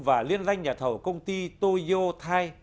và liên danh nhà thầu công ty toyo thai